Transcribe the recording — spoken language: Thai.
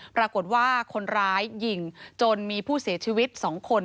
ปรากฏว่าคนร้ายยิงจนมีผู้เสียชีวิต๒คน